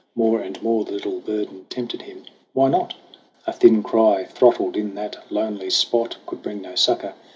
More and more The little burden tempted him. Why not ? A thin cry throttled in that lonely spot Could bring no succor.